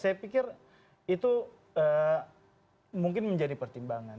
saya pikir itu mungkin menjadi pertimbangan